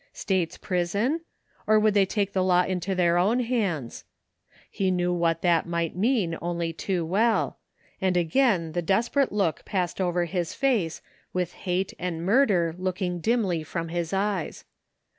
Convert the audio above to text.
States prison? Or would they take the law into their own hands ? He knew what that might mean only too well, and again the desperate look passed over his face with Hate and Murder looking dimly from his eyes.